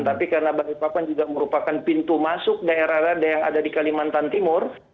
tapi karena balikpapan juga merupakan pintu masuk daerah daerah yang ada di kalimantan timur